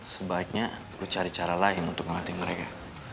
sebaiknya lo cari cara lain untuk ngelatih mereka